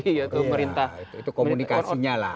itu komunikasinya lah